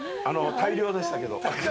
大漁でしたけど。